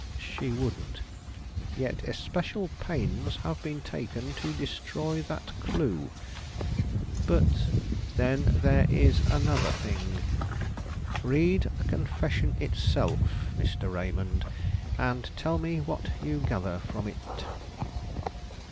"She wouldn't." "Yet especial pains have been taken to destroy that clue." "But " "Then there is another thing. Read the confession itself, Mr. Raymond, and tell me what you gather from it."